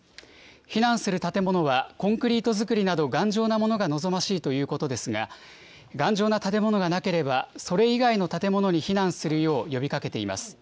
避難する建物は、コンクリート造りなど、頑丈なものが望ましいということですが、頑丈な建物がなければ、それ以外の建物に避難するよう呼びかけています。